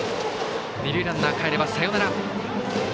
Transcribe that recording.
二塁ランナーかえればサヨナラ。